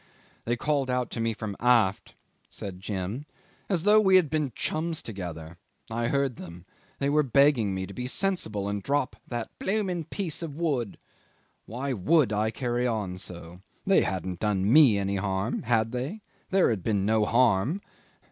"They called out to me from aft," said Jim, "as though we had been chums together. I heard them. They were begging me to be sensible and drop that 'blooming piece of wood.' Why would I carry on so? They hadn't done me any harm had they? There had been no harm.